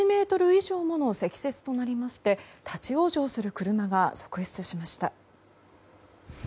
１ｍ以上もの積雪となりまして立ち往生する車が続出しました。